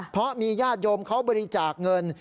เพราะมีญาติโยมเขาบริจาคเงิน